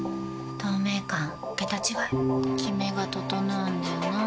透明感桁違いキメが整うんだよな。